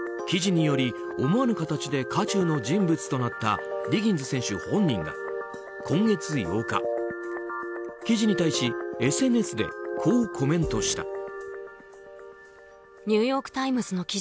記事により思わぬ形で渦中の人物となったディギンズ選手本人が今月８日記事に対し、ＳＮＳでこうコメントした。